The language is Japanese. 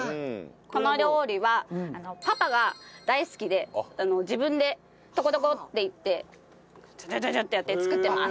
この料理はパパが大好きで自分でとことこって行ってちゃちゃちゃちゃってやって作ってます。